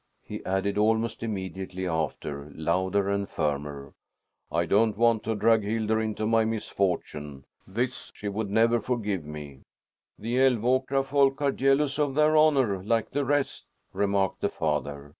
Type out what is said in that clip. he added almost immediately after, louder and firmer. "I don't want to drag Hildur into my misfortune. This she would never forgive me." "The Älvåkra folk are jealous of their honor, like the rest," remarked the father.